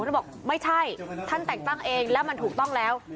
ท่านบอกไม่ใช่ท่านแต่งตั้งเองแล้วมันถูกต้องแล้ว